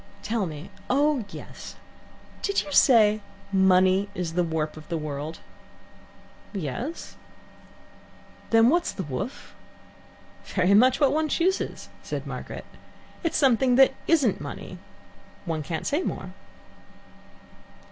Tell me; oh yes; did you say money is the warp of the world?" "Yes." "Then what's the woof?" "Very much what one chooses," said Margaret. "It's something that isn't money one can't say more."